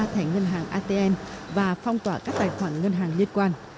một mươi ba thẻ ngân hàng atn và phong tỏa các tài khoản ngân hàng liên quan